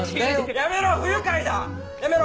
やめろ不愉快だやめろ！